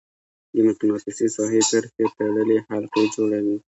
د مقناطیسي ساحې کرښې تړلې حلقې جوړوي.